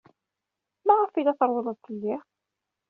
Maɣef ay la trewwled fell-i?